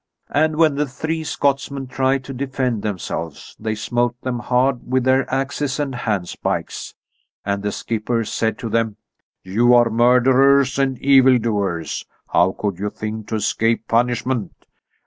And when the three Scotsmen tried to defend themselves, they smote them hard with their axes and handspikes, and the skipper said to them: "You are murderers and evildoers. How could you think to escape punishment?